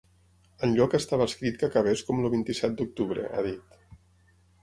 Enlloc estava escrit que acabés com el vint-i-set d’octubre, ha dit.